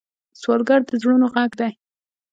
سوالګر د زړونو غږ دی